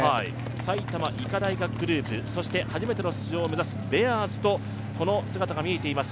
埼玉医科大学グループ、そして初めての出場を目指すベアーズとこの姿が見えています。